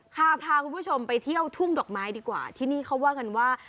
พาพาคุณผู้ชมไปเที่ยวทุ่งดอกไม้ดีกว่าที่นี่เขาว่ากันว่า